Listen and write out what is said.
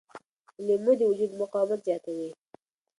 لیمو د وجود مقاومت زیاتوي.